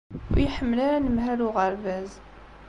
Ur iḥemmel ara anemhal n uɣerbaz.